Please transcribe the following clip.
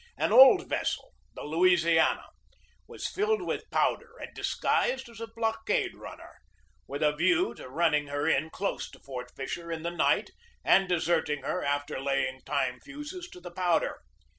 An old vessel, the Louisiana, was filled with powder and disguised as a blockade runner, with a view to running her in close to Fort Fisher in the night and deserting her after laying time fuses to the powder.